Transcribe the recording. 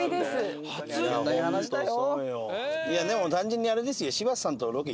いやでも単純にあれですよ。